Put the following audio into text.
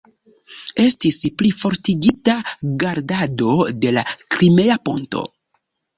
Estis plifortigita gardado de la Krimea ponto.